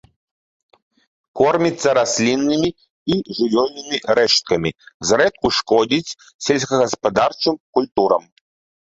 Корміцца расліннымі і жывёльнымі рэшткамі, зрэдку шкодзіць сельскагаспадарчым культурам.